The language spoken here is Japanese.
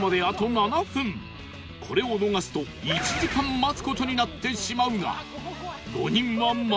これを逃すと１時間待つ事になってしまうが